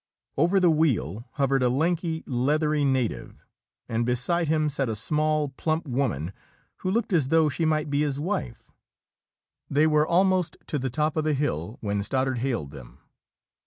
Over the wheel hovered a lanky, leathery native, and beside him sat a small, plump woman who looked as though she might be his wife. They were almost to the top of the hill when Stoddard hailed them.